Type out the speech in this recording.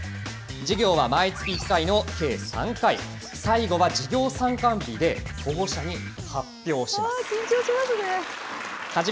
授業は毎月１回の計３回、最後は授業参観日で、保護者に発表緊張しますね。